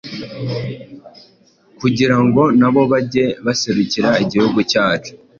kugira ngo na bo bage baserukira Igihugu cyacu.